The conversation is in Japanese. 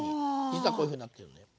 実はこういうふうになってるんだよ。